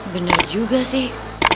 bener juga sih